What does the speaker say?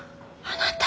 あなた。